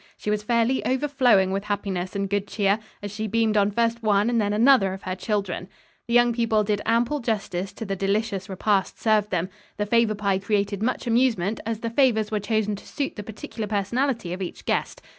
She was fairly overflowing with happiness and good cheer, as she beamed on first one and then another of her children. The young people did ample justice to the delicious repast served them. The favor pie created much amusement, as the favors were chosen to suit the particular personality of each guest.